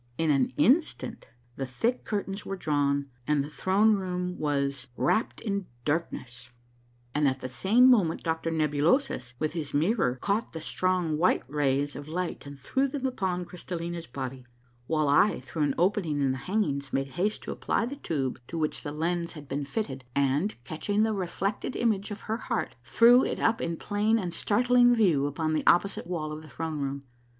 In an instant the thick curtains were drawn and the throne A MAIiVELLO(/S UNDERGROUND JOURNEY 85 room was ^^'rapped in darkness, and at the same moment Doctor Nebulosus, with his mirror, caught the strong, white rays of light and threw them upon Ciystallina's body, while I through an opening in the hangings made haste to apply the tube to which the lens had been fitted, and, catching the reflected image of her heart, threw it up in plain and startling view upon the opposite wall of the throne room.